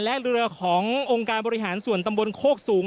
และเรือขององค์การบริหารส่วนตำบลโคกสูง